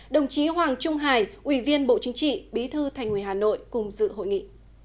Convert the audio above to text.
đồng chí hoàng trung hải ủy viên bộ chính trị bí thư thành ủy hà nội cùng dự hội nghị